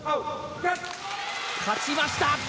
勝ちました！